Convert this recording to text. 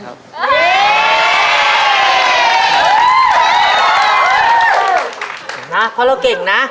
คือนะเพราะเราเก่งนะ